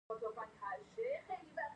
دوی لویې پروژې تمویلوي.